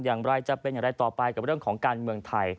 อย่างไรจะเป็นอย่างไรต่อไปกับเรื่องของการเมืองไทย